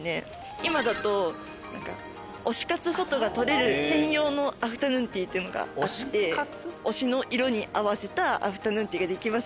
今だと推し活フォトが撮れる専用のアフタヌーンティーというのがあって推しの色に合わせたアフタヌーンティーができます！